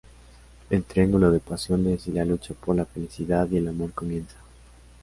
El triángulo de pasiones y la lucha por la felicidad y el amor comienza.